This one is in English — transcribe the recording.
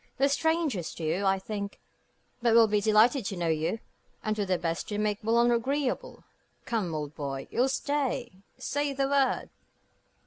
They're strangers to you, I think; but will be delighted to know you, and do their best to make Boulogne agreeable. Come, old boy. You'll stay? Say the word."